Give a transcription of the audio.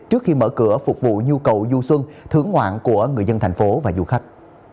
trước khi mở cửa phục vụ nhu cầu du xuân thưởng ngoạn của người dân thành phố và du khách